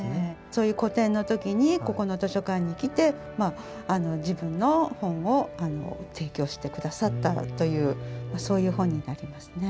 そういう個展の時にここの図書館に来て自分の本を提供して下さったというそういう本になりますね。